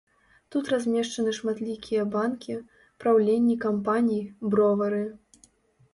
Тут размешчаны шматлікія банкі, праўленні кампаній, бровары.